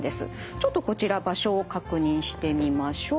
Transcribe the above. ちょっとこちら場所を確認してみましょう。